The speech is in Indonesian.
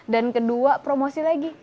dan kedua promosi lagi